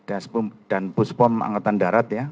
ada buspom angkatan darat